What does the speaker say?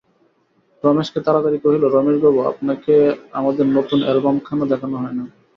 রমেশকে তাড়াতাড়ি কহিল, রমেশবাবু, আপনাকে আমাদের নূতন অ্যালবমখানা দেখানো হয় নাই।